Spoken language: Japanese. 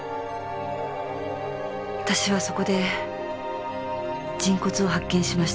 私はそこで人骨を発見しました。